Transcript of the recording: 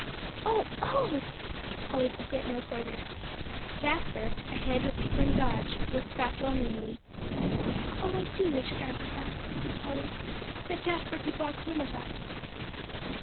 "Oh oh!" Polly could get no further. Jasper, ahead with Pickering Dodge, looked back longingly. "Oh, I do wish, Grandpapa," said Polly, "that Jasper could walk home with us."